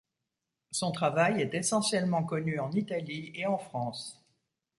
Son travail est essentiellement connu en Italie et en France.